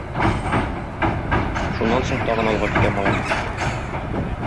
Шуннан соң тагын алга китә малай.